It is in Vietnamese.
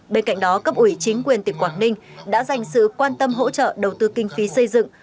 bên cạnh đó cấp ủy chính quyền tỉnh quảng ninh đã dành sự quan tâm hỗ trợ đầu tư kinh phí xây dựng